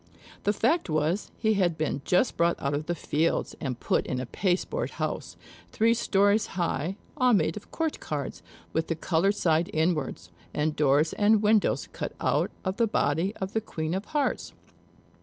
The fact was, he had been just brought out of the fields, and put in a pasteboard house, three stories high, all made of court cards, with the colored side inwards; and doors and windows cut out of the body of the Queen of Hearts.